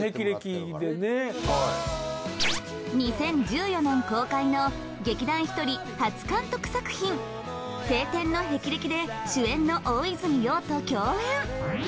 ２０１４年公開の劇団ひとり初監督作品『青天の霹靂』で主演の大泉洋と共演。